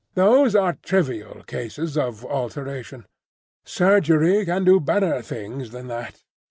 Those are trivial cases of alteration. Surgery can do better things than that.